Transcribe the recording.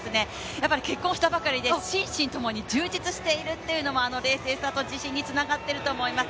やっぱり結婚したばかりで心身ともに充実しているというのもあの冷静さと自信につながっていると思います。